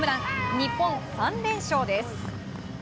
日本、３連勝です。